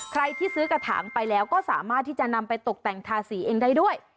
ใครที่ซื้อกระถางไปแล้วก็สามารถที่จะนำไปตกแต่งทาสีเองได้ด้วย